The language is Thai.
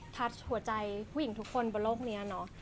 หัวใจผู้หญิงทุกคนบนโลกนี้เนอะ